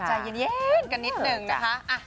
ใจเย็นกันนิดนึงนะคะ